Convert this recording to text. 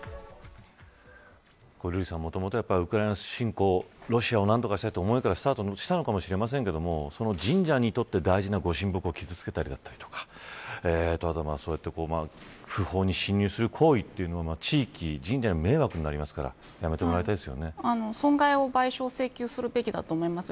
瑠麗さん、もともとウクライナ侵攻ロシアを何とかしたいという思いからスタートしたかもしれませんが神社にとって大事なご神木を傷付けたりだったりとかあとそうやって不法に侵入する行為というのは地域、神社への迷惑になりますから損害を賠償請求するべきだと思います。